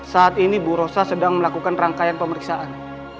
saat ini bu rosa sedang melakukan rangkaian pemeriksaan